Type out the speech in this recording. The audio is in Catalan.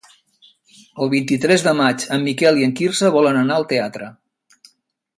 El vint-i-tres de maig en Miquel i en Quirze volen anar al teatre.